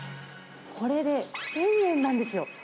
これで１０００円なんですよ。